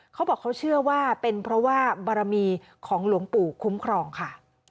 เขาบอกเขาเชื่อว่าเป็นเพราะว่าบารมีของหลวงปู่คุ้มครองค่ะ